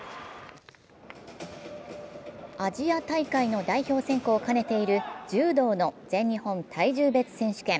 アジア大会の代表選考を兼ねている柔道の全日本体重別選手権。